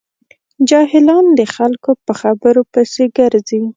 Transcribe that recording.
جاهلان د خلکو په خبرو پسې ګرځي.